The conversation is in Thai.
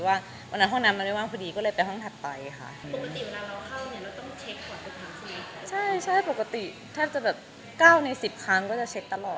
วันนั้นมันอาจจะแบบลืมเอาได้ความที่เราคุ้นเคยว่าเออ